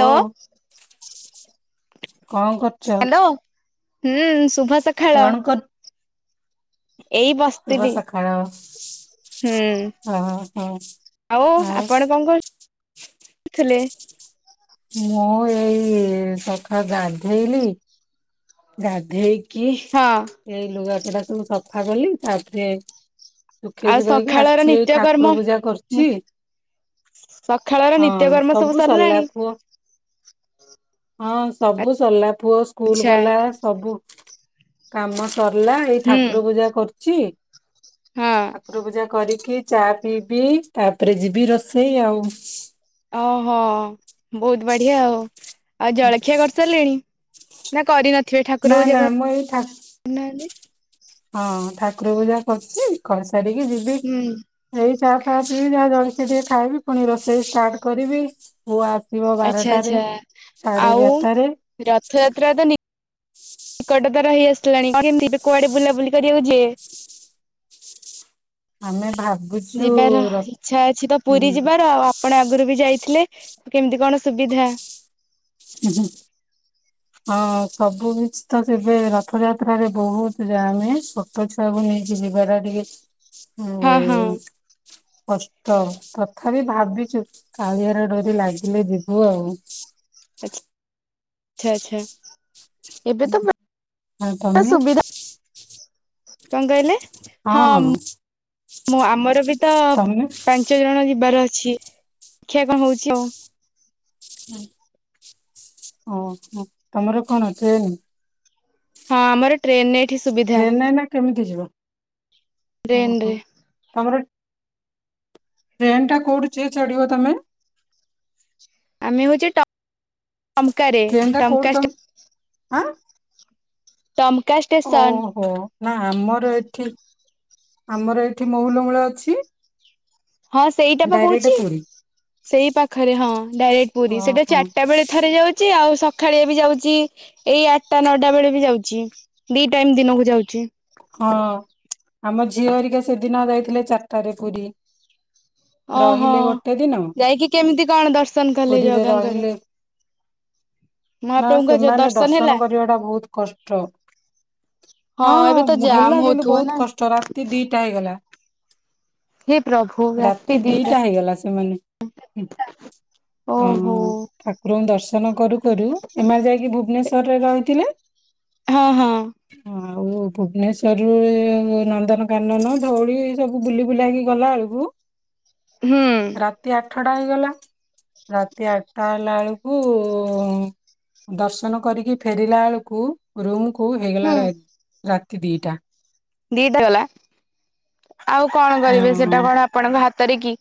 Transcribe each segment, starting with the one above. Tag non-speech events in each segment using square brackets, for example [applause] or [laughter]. ଓ କଣ କରୁଚ। ହ୍ୟାଲୋ ହୁଁ ସୁ ହସ ଖେଳ, ଏଇ କରୁଥିଲ ବସିଥିଲି ସକାଳ ହୁଁ ହଁ ହଁ ଆଉ ଆପଣ କଣ କରଥିଲେ। ମୁଁ ଏଇ ସଖା ଗାଧେଇଲି ଗାଧେଇ କି ହଁ ସେଇ ଲୁଗା ପଟା ସବୁ ସଫା କଲି ତାପରେ ସୁଖେଇ ଆଉ ସୁଖାକି ସକାଳର ଆସିଚି ଏଇ ନିତ୍ୟକର୍ମ ଠାକୁର ପୂଜା ମୁଁ କରୁଛି ସକାଳର ହଁ ନିତ୍ୟକର୍ମ ସବୁ ସରିଲା ସରିଲାଣି ପୁଅ ହଁ ସବୁ ସରିଲା। ପୁଅ ସ୍କୁଲ ଆଚ୍ଛା ଗଲା ସବୁ କାମ ସରିଲା ଏଇ ହୁଁ ଠାକୁର ପୂଜା କରୁଛି ହଁ ଠାକୁର ପୂଜା କରିକି ଚା ପିଇବି ତାପରେ ଯିବି ରୋଷେଇ ଆଉ। ଓହୋ ବହୁତ ବଢିଆ ଆଉ ଆଉ ଜଳଖିଆ କରିସାରିଲେଣି। ନା କରିନ ଥିବେ ଠାକୁର ନା ପୂଜା ନା ମୁଁ ଏଇ ଠା କରି ନାହାନ୍ତି। ହଁ ଠାକୁର ପୂଜା କରୁଛି [unintelligible] ସାରିକି ଯିବି ହୁଁ ଏଇ ଚା ଫା ବି ଯାହାଜଳ [unintelligible] ଟିକେ ଖାଇବି ପୁଣି ରୋଷେଇ ଷ୍ଟାର୍ଟ କରିବି ପୁଅ ଆସିବ ଆଚ୍ଛା ବାରଟାରେ ଆଚ୍ଛା ସାଢ଼େ ଆଉ ଏଗାରଟାରେ ରଥଯାତ୍ରା ତ ନିକଟତର ହେଇ ଆସିଲାଣି କେମିତି ଏବେ କୁଆଡେ ବୁଲାବୁଲି କରିବାକୁ ଯିବେ ଆମେ ଭା ଯିବାର ଇଚ୍ଛା ଅଛି ତ ପୁରୀ ହଁ ଯିବାର ଆଉ ଆପଣ ଆଗରୁ ବି ଯାଇଥିଲେ? କେମିତି କଣ ସୁବିଧା। ହୁଁ ହୁଁ ହଁ ସବୁ କିଛି ତ ଏବେ ରଥଯାତ୍ରାରେ ବହୁତ ଯାମ୍ ହେ ଛୋଟ ଛୁଆକୁୁ ନେଇକି ଯିବା ଟା ଟିକେ ହଁ ହଁ ହୁଁ କଷ୍ଟ ତଥାପି ଭାବିଛୁ କାଳିଆର ଡୋରି ଲାଗିଲେ ଯିବୁ ଆଉ ଆଚ୍ଛା ଆଚ୍ଛା। ଏବେ ତ ଆଉ [unintelligible] ତମେ ସୁବିଧା କଣ କହିଲେ ହଁ ମ ଆମର ବି ତ ତମେ ପାଞ୍ଚ ଜଣ ଯିବାର ଅ ଛି କ୍ଷା କଣ ହଉଛି ଆଉ ଓହ ତମର କଣ [unintelligible] ହଁ ଆମର ଟ୍ରେନ ରେ ଟ୍ରେନ୍ ରେ ନା କେମିତି ଯିବ ଓ ହୋ ଟ୍ରେନରେ ତମର ଟ୍ରେନ୍ ଟା କୋଉଠୁ [unintelligible] ଚଢ଼ିବ ତମେ ଆମେ ହଉଛୁ ଟ ଟମ୍ କାରେ ରେ ଟ୍ରେନ ଟା ଟମ୍ କୋଉଠି କା ତମ ଷ୍ଟେସନ ଆଁ। ଟମ୍ କା ଷ୍ଟେସନ୍ ଓହୋ ନା ଆମ [unintelligible] ଠି ଆମର ଏଠି ମହୁଲ ମୂଳ ଅଛି ହଁ ସେଇଟା ପା କହୁଛି, ଡାଇରେକ୍ଟ ପୁରୀ ସେଇ ପାଖରେ ହଁ ଡାଇରେକ୍ଟ ପୁରୀ ।ସେଇଟା ଓହୋ ଚାରଟା ବେଳେ ଥରେ ଯାଉଛି, ଆଉ ସ ସଖାଳେ ବି ଯାଉଛି, ଏଇ ଆଟ୍ ଟା ନଅଟା ବେଳେ ବି ଯାଉଛି ଦି ଟାଇମ ଦିନକୁ ଯାଉଛି ଝିଅହେରିକା ସେଦିନ ଯାଇଥିଲେ, ଚାର୍ ଟାରେ ପୁରୀ । ଓହୋ ଯାଇକି କେମିତି କଣ ଦର୍ଶନ କଲେ, ପୁରୀରେ ଜଗାଙ୍କର ରହିଲେ ନା ମହାପ୍ରଭୁଙ୍କ ଯୋଉ ସେମାନେ ଦର୍ଶନ ହେଲା। କରିବା ଟା ବହୁତ କଷ୍ଟ ହଁ ଏବେ ତ [unintelligible] ଜାମ୍ ହେଲା କିନ୍ତୁ ହଉଥିବ ବହୁତ ନା କଷ୍ଟ ରାତି ଦିଟା ହେଇଗଲା ରାତି ଦିଟା ହେଇଗଲା ସେମାନେ ହୁ ଓହୋ ହୁଁ ଠାକୁରଙ୍କୁ ଦର୍ଶନ କରୁ କରୁ ଏମାନେ ଯାଇକି ଭୁବନେଶ [unintelligible] ରହିଥିଲେ । ହଁ ହଁ। ଆଉ ଭୁବନେଶ୍ଵରରୁ ନନ୍ଦନକାନନ ଧଉଳି ସବୁ ବୁଲି ବୁଲାକି ଗଲା ବେଳକୁ ହୁଁ। ଠଟା ହେଇଗଲା ରାତି ଆଠଟା ହେଲା, ବେଳକୁ ଦର୍ଶନ କରିକି ଫେରିଲା ବେଳକୁ ରୁମକୁ କୁ ହୁଁ ହେଇଗଲା [inaudible] ରାତି ଦିଟା । ଦିଟା ଗଲା ଆଉ କଣ କରିବି ହଁ। ସେଟା କଣ ଆପଣଙ୍କ ହା ତରେ କିି?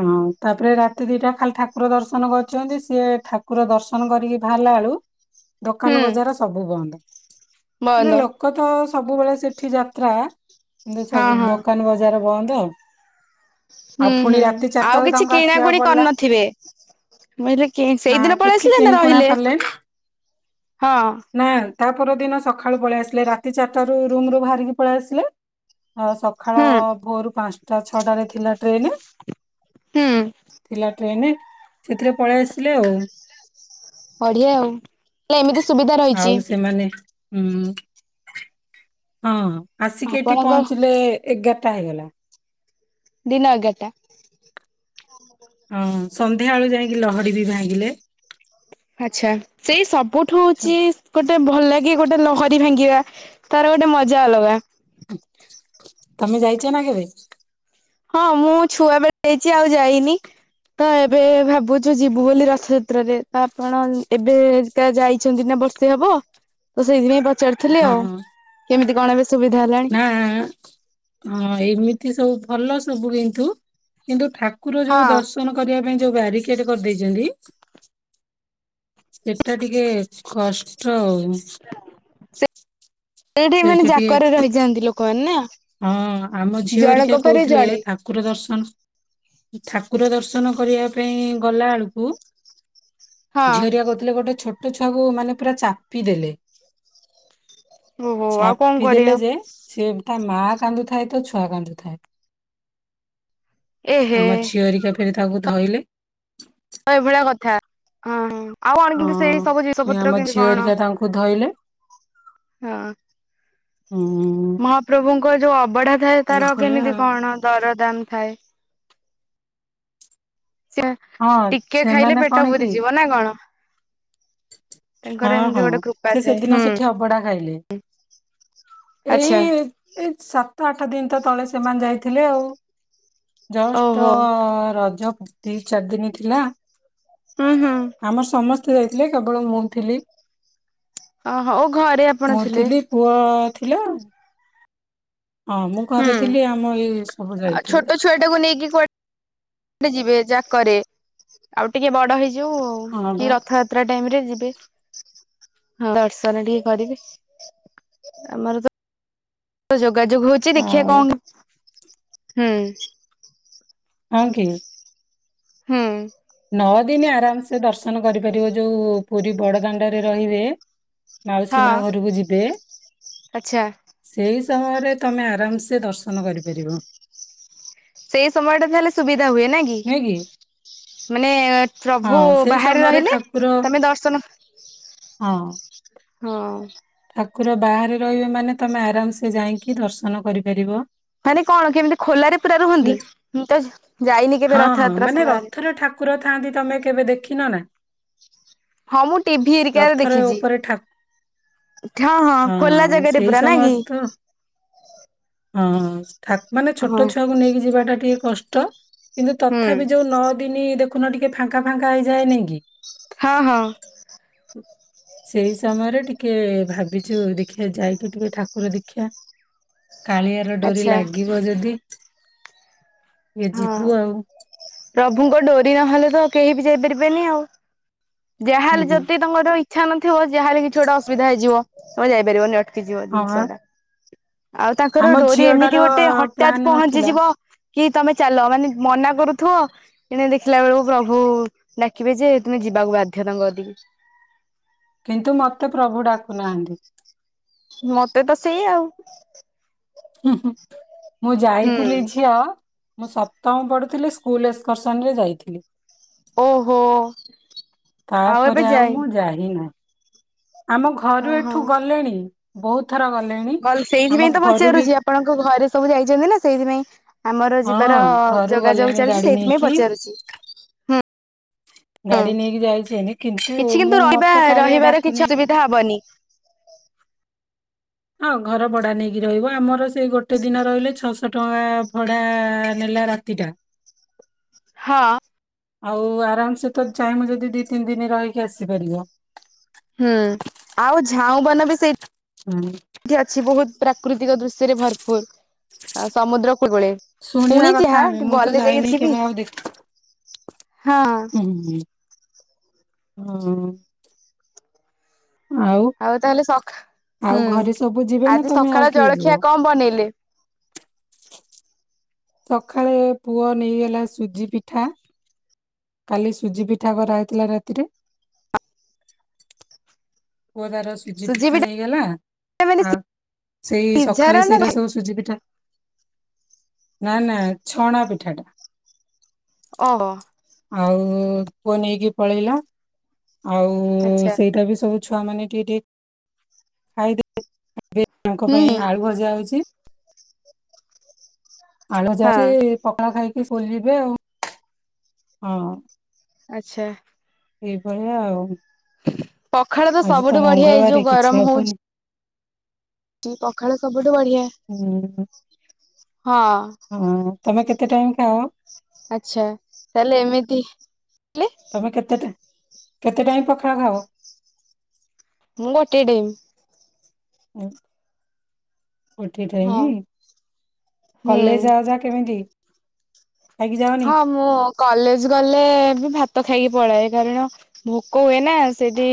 ହଁ ତାପରେ ରାତି ଦିଟା ଖାଲି ଠାକୁର ଦର୍ଶନ କରିଛନ୍ତି ସିଏ ଠାକୁର ଦର୍ଶନ କରିକି ବାହାରିଲା ବେଳୁ ହୁଁ ଦୋକାନ ବଜାର ସବୁ ବନ୍ଦ । ମାନେ ବନ୍ଦ ଲୋକ ତ ସବୁବେଳେ ସେଠି ଯାତ୍ରା। କିନ୍ତୁ ହଁ ସବୁ ହଁ ଦୋକାନ ବଜାର ବନ୍ଦ। ହୁଁ ଆଉ ପୁଣି ହୁଁ ରାତି । ଚାରିଟା ଆଉ ବେଳୁ କିଛି ତାଙ୍କୁ କିଣା ଆସିବାକୁ କୁଣି ପଡିଲା କରିନଥିବେ ବୋଇଲେ କେ, ନା ସେଇଦିନ କିଛି ପଳେଇସିଲେ ନା କିଣିକୁଣା ରହିଲେ? ପାରିଲେନି ହଁ। ନା ତା ପର ଦିନ ସକାଳୁ ପଳେଇ ଆସିଲେ ରାତି ଚାରିଟା ରୁ ରୁମୁ ରୁ ବାହାରିକି ପଳେଇ ଆସିଲେ। ହ ହୁଁ ସକାଳ-ଅ-ଅ ଭୋରୁ ପାଞ୍ଚ ଟା ଛଅଟା ରେ ଥିଲା ଟ୍ରେନ୍ ହୁଁ ଥିଲା ଟ୍ରେନ। ସେଥିରେ ପଳେଇ ଆସିଲେ ଆଉ। ବଢିଆ ଆଉ ହେଲେ ଏମିତି ସୁବିଧା ରହିଛି। ହୁଁ। ହଁ। ଆସିକି ଏଠି ଆପଣଙ୍କ ପହଞ୍ଚିଲେ ଏଗାର ଟା ହେଇଗଲା। ଦିନ ଏଗାରଟା? ହଁ ସନ୍ଧ୍ୟାବେଳୁ ଯାଇକି ଲହଡ଼ି ବି ଭାଙ୍ଗିଲେ । ଆଛା ସେଇ ସବୁଠୁ ହଉଛି ଗୋ ଟେ ଭଲ ଲାଗେ ଗୋଟେ ଲହରୀ ଭାଙ୍ଗିବା ତାର ଗୋଟେ ମଜା ଅଲଗା । ତମେ ଯାଇଛ ନା କେବେ? ହଁ ମୁଁ ଛୁଆ ବେଳେ ଇଚି ଆଉ ଯାଇନି। ତ ଏବେ ଭାବୁଛୁ ଯିବୁ ବୋଲି ରଥଯାତ୍ରାରେ ତ ଆପଣ ଏବେକା ଯାଇଛନ୍ତି ନା ବର୍ଷେ ହବ। ତ ସେଇଥିପାଇଁ ପ ଚାରୁଥିଲି ଆଉ କେମିତି [unintelligible] ନାଁ ହଁ ଏମିତି ସବୁ ଭଲ ସବୁ କିନ୍ତୁ, କିନ୍ତୁ ଠା କୁର ଯୋଉ ହଁ। ଦର୍ଶନ କରିବା ପାଇଁ ଯୋଉ ବାରିକେଟ କରିଦେଇଛନ୍ତି। ଏଟା ଟିକେ କ-ଅଷ୍ଟ। ଉ। ସେଠି ମାନେ ଜାକରେ ରହିଯାଆନ୍ତି ଲୋକମାନେ ନା। ହଁ, ଆମ ଝିଅ ହେରିକା ଜଣଙ୍କ ପରେ କହୁଥିଲେ ଜଣେ। ଠାକୁର ଦର୍ଶନ ଠାକୁର ଦର୍ଶନ କରିବା ପାଇଁ ଗଲା ଆଳକୁ ହଁ ଝିଅରିଆ କହୁଥିଲେ ଗୋଟେ ଛୋଟ ଛୁଆକୁ ମାନେ ପୁରା ଚାପି ଦେଲେ। ଓହୋ ଆଉ କଣ ଚାପି କରିବା ଦେଲେ ଯେ [inaudible] ସେ । ମା କାନ୍ଦୁଥାଏ ତ ଛୁଆ କାନ୍ଦୁଥାଏ। [inaudible] ଏହେ ଆମ ଝିଅରିକା । [unintelligible] ଧୋଇଲି । ଏଇଭଳିଆ କଥା [inaudible] ହଁ ହଁ। ଆଉ ହଁ [unintelligible] ସେଇ ସବୁ ଜିନିଷ ପୁଣି ପତ୍ର ଆମ କେମତି ଝିଅ କଣ? ହେରିକା ତାଙ୍କୁ ଧଇଲେ [inaudible] ହଁ । ଉଁ ମହାପ୍ରଭୁଙ୍କ ଯୋଉ ଅବଢ଼ା ଥାଏ ତାର ଏଇଭଳିଆ କେମିତି ଆଉ କଣ ଦର? ଦାନ୍‌ ଖାଇ ହଁ ଟିକେ ଖାଇଲେ ସେମାନେ ପେଟ କଣ କି [inaudible] ପୁରିଯିବ ନା କଣ? ତାଙ୍କର ହଁ ଏମିତି ହଁ ଗୋଟେ କୃପା ସେ ଥାଏ ସେଦିନ ହୁଁ ସେଠି ଅବଢ଼ା ଖାଇଲେ, [inaudible] ଆଚ୍ଛା ଏଇ ଏଇ । ଆଠ ଦିନ ତ ତଳେ ସେମାନେ ଯାଇଥିଲେ ଆଉ। ଜଷ୍ଟ ଓ ଓହୋ ରଜ । [unintelligible] ଚାରି ଦିନ୍‌ ଥିଲା। ହୁଁ ହୁଁ। [inaudible] ଆମର ସମସ୍ତେ ଯାଇ । [unintelligible] ମୁଁ, ଥିଲି। ଓହୋ ଓ ଘରେ ଆପଣ ଥିଲେ । ଥିଲ ହଁ ମୁଁ ହୁଁ ଘରେ ଥିଲି ଆମ ଏଇ ସବୁ ଆଉ ଯାଇଥିଲେ। ଛୋଟ [inaudible] ଛୁଆଟାକୁ ନେଇକି କୁଆଡେ ଯିବେ ଯାକରେ [inaudible] ଆଉ ଟିକେ ବଡ ହେଇ । ଯୋଉ ହଁ [inaudible] କି, ବା ରଥଯାତ୍ରା। [unintelligible] ଯିବେ ଦର୍ଶନ ଟିକେ କରିବି, [inaudible] ଆମର ତ । [unintelligible] ଯୋଗାଯୋଗ ହଉଛି ଦେଖିବା ଆଉ କଣ ହୁଁ। ହ କି। ହଁ। ନଅ ଦିନ ଆରାମ ସେେ ଦର୍ଶନ କରିପାରିବ ଯୋଉ ପୁରୀ ବଡଦାଣ୍ଡରେ ରହିବେ। ମାଉସୀ ହଁ ମା ଘରକୁ ଯିବେ ଆଚ୍ଛା ସେଇ ସମୟରେ ତମେ ଆରାମସେ ଦର୍ଶନ କରିପାରିବ। ସେଇ ସମୟଟା ହେଲେ ସୁବିଧା। ହୁଏ ନ କି ମାନେ ପ୍ରଭୁ ହଁ ସେଇ ବାହାରେ ସମୟରେ ରହିଲେ ଠାକୁର ତମେ ଦର୍ଶନ ହଁ। ହଁ। ଠାକୁର ବାହାରେ ରହିବେ ମାନେ ତମେ ଆରାମ ସେ ଯାଇକି ଦର୍ଶନ କରିପାରିବ। ମାନେ କଣ କେମିତି ଖୋଲାରେ ପୁରା ନି ରୁହନ୍ତି ମୁଁ ତ ଯାଇନି କେବେ ହଁ ହଁ ରଥଯାତ୍ରା ମାନେ ସମୟରେ ରଥର ଠାକୁର ଥାଆନ୍ତି ତମେ । କେବେ ଦେଖିନ ନା। ହଁ ମୁଁ ଟିଭି ଏରିକରେ ରଥରେ ଦେଖିଛି । ଉପରେ ଠା ହଁ ହଁ ଖୋଲା ଜାଗାରେ ସେଇ ପୁରା ନା ସମୟ କି। ତ ହଁ। ଠାକ୍ ମାନେ ହଁ ଛୋଟ ଛୁଆକୁ ନେଇକି ଯିବାଟା ଟିକେ । କଷ୍ଟ। କିନ୍ତୁ ହୁଁ ତଥାପି ଯୋଉ ନଅ ଦିନି ଦେଖ ନ ଟିକେ ଫାଙ୍କା ଫାଙ୍କା ହେଇଯାଏ ନି କି। ହଁ ହଁ। ସେଇ ସମୟରେ ଟିକେ ଭାବି । ଚୁ ଯୋଉ ଦେଖିବା ଯାଇକି ଟିକେ ଠାକୁର ଦେଖିବା। କାଳିଆର ଡୋରି ଆଚ୍ଛା ଲାଗିବ ଯଦି । ଏ ହଁ ଯିବୁ ଆଉ। ପ୍ରଭୁଙ୍କ ଡୋରି ନହେଲେ ତ କେହି ବି ଯାଇପାରିବେନି ଆଉ। ଯାହା ହୁଁ ହେଲେ ହୁଁ। ଯଦି ତଙ୍କର ଇଚ୍ଛା ନ ନଥିବ ଯାହା ହେଲେ କିଛି ଗଟେ ଅସୁବିଧା ହେଇଯିବ ତମେ ଯାଇାରିବନି । ଟିଯିବ ହଁ ଜିନିଷ ବା ଟା। ଆଉ ତାଙ୍କର ଆମ ଡୋରି ଏମିତି ଝିଅଟାର ଗୋଟେ ହଠତ୍ ପ୍ଲାନ୍ ନଥିଲା ପହଞ୍ଚିଯିବ । କି । ତମେ ଚାଲ ମାନେ ମନା କରୁଥିବ ଏଣେ ଦେଖିଲା ବେଳକୁ ପ୍ରଭୁ ଡାକିବେ ଯେ ତୁମେ ଯିବାକୁ ବାଧ୍ୟ ତାଙ୍କ କତିକି । କିନ୍ତୁ ମତେ ପ୍ରଭୁ ଡାକୁ ନାହାନ୍ତି। ମତେ ତ ସେଇଆ ଆଉ। ହୁଁ ହୁଁ, ମୁଁ ହୁଁ ଯାଇଥିଲି ଝିଅ। ମୁଁ ସପ୍ତମ ପଢୁଥିଲି ସ୍କୁଲ ଏକ୍ସର୍ସନ ରେ ଯାଇଥିଲି। ଓହୋ ଆଉ ତାପରେ ଏବେ ମୁଁ ଯାଇନି। ଯାଇନାହିଁ ଆମ ଘରୁ ଏଠୁ ଗଲେଣି। ବହୁତ୍ ଗଲ ସେଇଥିପାଇଁ ତ ପଚାରୁଛି ଆ ଆପଣଙ୍କ ଘରେ ସବୁ ଯାଇଛନ୍ତି ନା ସେଇଥିପାଇଁ ଆମର ଯିବାର ହଁ ଘରୁ ଯୋଗାଯୋଗ ଗଲେଣି ଚାଲିଛି ଗାଡି ସେଇଥିପାଇଁ ନେଇକି ପଚାରୁଛି। ହୁଁ ହୁଁ। ଗାଡି ନେଇକି ଯାଇଚନ୍ତି କିନ୍ତୁ କିଛି ମୁଁ ରହିବା ମତେ କାଳିଆ ରହିବାର କିଛି ଡାକୁନି। ଅସୁବିଧା [inaudible] ହଁ ଘର ବଡା ନେଇକି ରହିବ ଆମର ସେ ଏଇ ଗୋଟେ ଦିନ ରହିଲେ ଛଅଶ ଟଙ୍କା ଭଡା ନେଲା ରାତିଟା। ହଁ। ଆଉ ଆରାମସେ ତ ଚାହିଁବ ଯଦି ଦି ତିନ ଦିନ ରହିକି ଆସିପାରିବ। ହୁଁ ଆଉ ଝାଉଁ ବନ ବି ସେଇ ହୁଁ ଠି ଅଛି ବୋହୁତ ପ୍ର ପ୍ରାକୃତିକ ଦୃଶ୍ୟରେ ଭରପୁର ଆଉ ସମୁଦ୍ର କୂଳେ ଶୁଣିବା ପୁଣି କଥା ଯହା ଆମେ ମୁଁ ତ ଗଲେ ଯାଇକି ଯାଇନି ଦେଖିବି। କେବେ ଆଉ ଦେଖ ହଁ। ଓ। ଆଉ ତାହେଲେ ସ ଆଉ ହୁଁ ଘରେ ସବୁ ଯିବେ ନା ଆଜି ତମେ ଆଉ ସକାଳ କିଏ ଯିବ? ଜଳଖିଆ କଁ ବନେଇଲେ? ସଖାଳେ ପୁଅ ନେଇଗଲା ସୁଜିପିଠା। କାଲି ସୁଜି ପିଠା କରାହେଇଥିଲା ରାତିରେ। ପୁଅ ତାର ସୁଜି ପିଠା ନେଇଗଲା ମାନେ ଆଉ ସେଇ ସଖାଳେ ସିଝାର ନା ସେଇରା ସବୁ ସୁଜିପିଠା ନା ନା ଛଣା ପିଠାଟା। ଓହୋ। ଆଉ ପୁଅ ନେଇକି ପଳେଇଲା। ଆଉ ଆଚ୍ଛା ସେଇଟା ବି ସବୁ ଛୁଆମାନେ ଟିକେ ଟିକେ ଖାଇଦେ ଏବେ ତାଙ୍କ ହୁଁ ପାଇଁ ହୁଁ ଆଳୁଭଜା ହୋଉଚି। ଆଳୁଭଜା ଅଛି ହଁ ପଖାଳ ଖାଇ ଇଏ ସ୍କୁଲ ଯିବେ ଆଉ। ହଁ। ଆଚ୍ଛା। ଏଇଭଳିଆ ଆଉ। ପଖାଳ ତ ଆଜି ସବୁଠୁ ବଢିଆ ଏଇ ଯୋଉ ମଙ୍ଗଳବାର କିଛି ଗରମ ହବନି ହୋଉଚି ଏଇ ପଖାଳ ସବ ବୁଠୁ ବଢିଆ। ହୁଁ ହଁ ହଁ ତମେ କେତ ତେ ଟାଇମ ଖାଅ? ଆଛା ତାହେଲେ ଏମିତି ହେଲେ ତମେ କେତେଟା? କେତେ ଟାଇମ ପଖାଳ ଖାଅ? ମୁଁ ଗୋଟିଏ ଟାଇମ୍। ଉଁ ଗୋଟିଏ ଟାଇମ ହଁ ଟି, ହୁଁ କଲେଜ ଯା ଯାଅ କେମିତି? ଖାଇକି ଯାଅନି ହଁ ମୁଁ କଲେଜ ଗଲେ ବି ଭାତ ଖାଇକି ପଳାଏ, କାରଣ ଭୋକ ହୁଏ ନା ସେଠି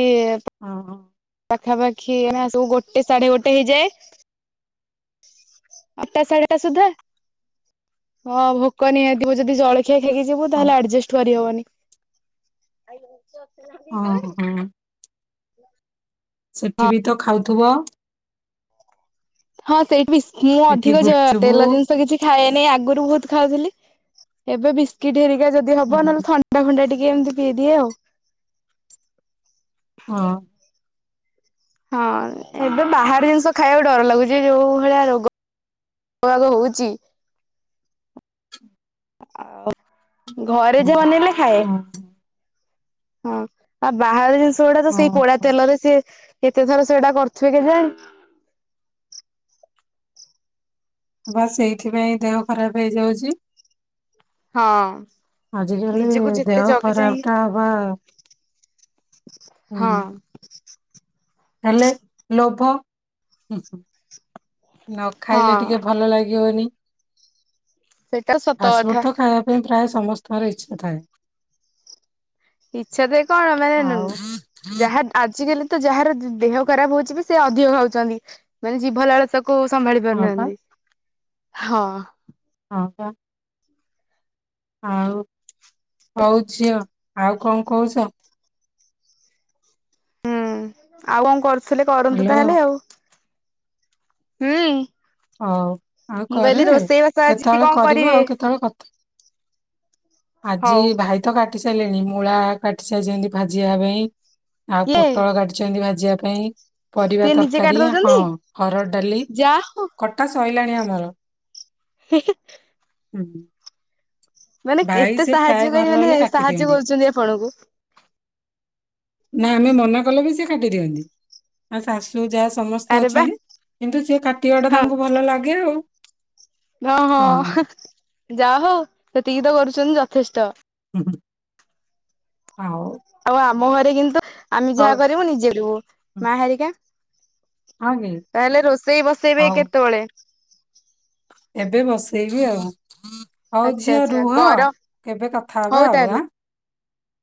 ହଁ। ପାଖାପାଖି ହଁ ସବୁ ଗୋଟେ ସାଢେ ଗୋଟେ ହେଇଯାଏ। ଆଠଟା ସାଢଟା ସୁଧା, ହଁ ଭୋକ ନିହାତି ଥିବ ଯଦି ଜଳ ଖିଆ ଖାଇକି ଯିବୁ, ହଁ ତାହେଲେ ଆଜଷ୍ଟ କରିହେବନି। ଆଇ। ହଁ [unintelligible] ହଁ [unintelligible] ସେଠି ବି ତ ଖାଉ ଥୁବ। ହଁ ସେଇଠି ବି କିଏ ସେଠି ଅଧିକ ଗୁପଚୁପ ତେଲ ଜିନିଷ କିଛି ଖାଏ ଆଗରୁ ବହୁତ ଖାଉଥିଲି ।ଏବେ ବିସ୍କେଟ ଟ ଯଦି ହୁଁ, ହବ ନହେଲେ ଥଣ୍ଡା ଫଣ୍ଡା ଟିକେ ଏମିତି ପିଇଦିଏ ଆଉ। ହଁ। ହଁ ଏବେ ବାହାର ଜିନିଷ ଖାଇବାକୁ ଡର ଲାଗୁଛି। ଯୋଉ ଭଳିଆ ରୋଗ [unintelligible] ହଉଛି। [inaudible] ଆ। ଘରେ ହଁ ଯାହା ବନେଇଲେ ଖାଏ। ହଁ ହଁ ଆଉ ବାହାରେ ସେଗୁଡା ତ ସେଇ ହଁ ପୋଡା ହଁ ତେଲରେ ସେ କେତେଥର ସେଇଟା କରୁଥିବେ କେ ଜାଣି? ବାସ୍ ସେଇଥିପାଇଁ ଦେହ ଖରାପ ହେଇଯାଉଛି। ହଁ ଆଜି କାଲି ନିଜକୁ ଯେତେ ଦେହ ଜଗି ଚାହିଁ ଖରାପ ଟା ହବା ହଁ। ଉଁ, ହେଲେ ଲୋଭ ହୁଁ ହୁଁ। ନ ଖାଇଲେ ହଁ ଟିକେ ଭଲ ଲାଗିବନି। ସେଇଟା ସତ ଫାଷ୍ଟ ଫୁଡ୍ କଥା। ତ ଖାଇବା ପାଇଁ ପ୍ରାୟ ସମସ୍ତଙ୍କର ଇଚ୍ଛା ଥାଏ। ଇଚ୍ଛା ତ କଣ ମାନେ ଆଉ ଯାହା ଆଜିକାଲି ତ ଯାହାର ଦେହ ଖରାପ ହଉଛି, ବି ସେ ଅଧିକ ଖାଉଛନ୍ତି ମାନେ ଜୀଭଲାଳସା କୁ କୋଉ ସମ୍ଭାଳି ହଁ ପା ପାରୁନାହାନ୍ତି ହଁ ହଁ ବା ଆଉ ହଉ ଝିଅ ଆଉ କଣ କହୁଛ ହୁଁ ଆଉ କଣ କରୁ ଆସ କରନ୍ତୁ ହ୍ୟାଲୋ ତାହେଲେ ଆଉ ହୁଁ ହଉ ଆଉ ମୁଁ କରେ କହିଲି ରୋଷେଇ ବାସ ଆଜି କେତେବେଳେ କଣ କରିବ କରିବେ? ଆଉ କେତେବେଳେ କଥା ଆଜି ହଉ ଭାଇ ତ କାଟି କାଟି ସାରିଲେଣି ମୂଳା କାଟି ସାରିଛନ୍ତି ଭାଜିବା ପାଇଁ ଆଉ କିଏ ପୋଟଳ କାଟିଛନ୍ତି ଭା ଯିବା ପାଇଁ ପରିବା ସିଏ ନିଜେ କାଟି ତରକାରୀ ହଁ ଦଉଛନ୍ତି ହରଡ଼ ଡାଲି ଯା ହଉ କଟା ସ ସଇଲାଣି ଆମର ହେଁ ହେଁ ହୁଁ ହୁଁ ମାନେ କେତେ ସାହାଯ୍ୟକାରୀ ମାନେ ରହିଲେ କାଟି ସାହାଯ୍ୟ ଦିଅନ୍ତି। କରୁଛନ୍ତି ଆପଣକୁ ନା ଆମେ ମନା କଲେ ବି ସେ କାଟି ଦିଅନ୍ତି ଆଉ ଶାଶୁ ଯା ସମସ୍ତେ ଆରେ ବା ଅଛନ୍ତି କିନ୍ତୁ ଯିଏ ତିଓଟା ତାଙ୍କୁ ଭଲ ଲାଗେ [unintelligible] ହ ହଁ ଯା ହଉ ସେତିକି ତ କରୁଛ ନ୍ ଯଥେଷ୍ଟ। [inaudible] ହଉ। ମୁହଁରେ କିନ୍ତୁ ଆମେ ହଉ ଯାହା କରିବୁ ନିଜେ ରହୁ ହୁଁ, ମା ହେରିକା ହଁ କି ତାହେଲେ ରୋଷେଇ ବସେଇବେ ହଉ କେତେବେଳେ? ଏବେ ବସେଇବି ଆଉ । ହଉ ଆଚ୍ଛା ଝିଅ ଆଚ୍ଛା ରୁହ ଗରମ କେବେ କଥା ହଉ ହବା ଆଉ ତାହେଲେ। ଆ ।